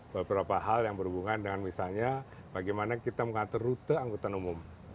beberapa hal yang berhubungan dengan misalnya bagaimana kita mengatur rute angkutan umum